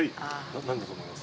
何だと思います？